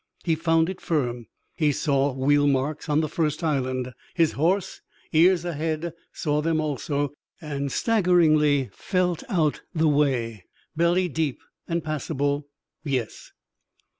He found it firm. He saw wheel marks on the first island. His horse, ears ahead, saw them also, and staggeringly felt out the way. Belly deep and passable yes.